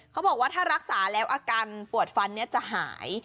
เขาบอกว่าถ้ารักษาแล้วอาการปวดฟันจะหาย